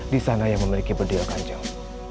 di sana yang memiliki bedil kacau